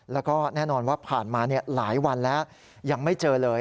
แล้วก็แน่นอนว่าผ่านมาหลายวันแล้วยังไม่เจอเลย